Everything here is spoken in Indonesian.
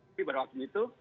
tapi pada waktu itu